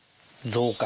増加。